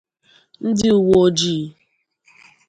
Ndị uwe ojii